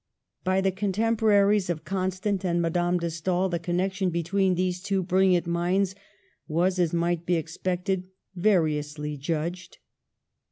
By the contemporaries of Constant and Ma dame de Stael the connection between these two brilliant minds was, as might be expected, vari ously judged.